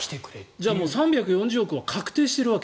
じゃあ３４０億円は確定しているわけ？